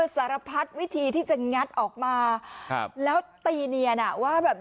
สารพัดวิธีที่จะงัดออกมาครับแล้วตีเนียนอ่ะว่าแบบ